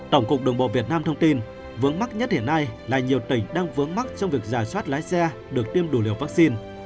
tổng cục đường bộ việt nam thông tin vướng mắc nhất hiện nay là nhiều tỉnh đang vướng mắt trong việc giả soát lái xe được tiêm đủ liều vaccine